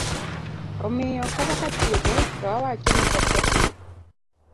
Omiyo kata ka atieko to awacho ni kata ji